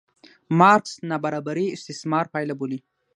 مارکس نابرابري استثمار پایله بولي.